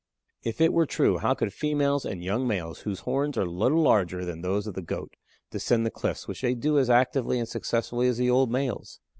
If it were true, how could females and young males, whose horns are little larger than those of the goat descend the cliffs, which they do as actively and successfully as the old males?